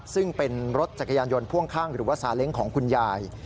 ซึ่งเป็นรถจักรยานยนต์พ่วงข้างหรือว่าซาเล้งของคุณยาย